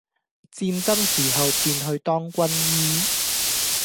戰爭時候便去當軍醫，